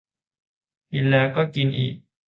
กินแล้วก็กินอีก